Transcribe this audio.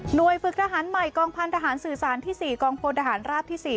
หน่วยฝึกอาหารใหม่กองพันธหารสื่อสารที่สี่กองพลอดอาหารราบที่สี่